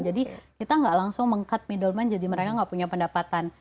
jadi kita nggak langsung meng cut middleman jadi mereka nggak punya pendapatan